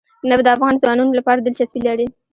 نفت د افغان ځوانانو لپاره دلچسپي لري.